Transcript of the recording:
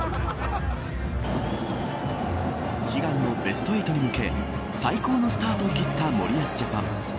悲願のベスト８に向け最高のスタートを切った森保ジャパン。